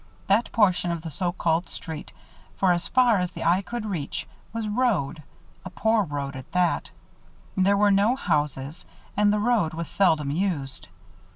That portion of the so called street, for as far as the eye could reach, was road a poor road at that. There were no houses; and the road was seldom used.